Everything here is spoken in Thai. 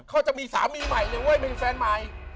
เขาจะมีสามีใหม่เลยเว้ยมีแฟนใหม่